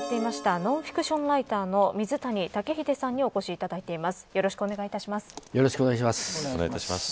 ノンフィクションライターの水谷竹秀さんにお越しいただいています。